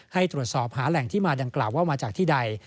ให้ตรวจสอบหาแหล่งที่มาดังกล่าวว่ามาจากที่ใด